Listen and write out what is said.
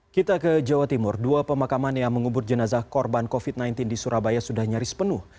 kita ke jawa timur dua pemakaman yang mengubur jenazah korban covid sembilan belas di surabaya sudah nyaris penuh